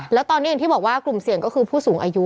แล้วตอนนี้อย่างที่บอกว่ากลุ่มเสี่ยงก็คือผู้สูงอายุ